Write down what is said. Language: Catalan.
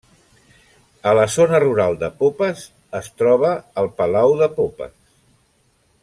A la zona rural de Popes es troba el Palau de Popes.